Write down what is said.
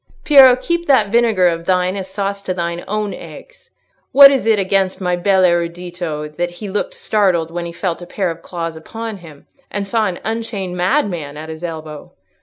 "Piero, keep that vinegar of thine as sauce to thine own eggs! What is it against my bel erudito that he looked startled when he felt a pair of claws upon him and saw an unchained madman at his elbow?